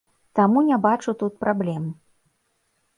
Таму не бачу тут праблем.